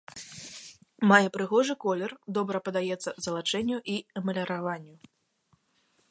Мае прыгожы колер, добра паддаецца залачэнню і эмаліраванню.